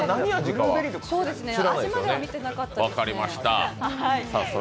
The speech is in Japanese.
味までは見てなかったですね。